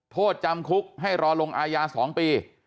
โทษจำคุกให้รอลงอาญา๒ปี